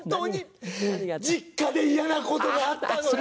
「実家で嫌なことがあったのよ」。